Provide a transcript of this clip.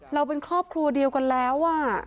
แล้วก็บอกว่า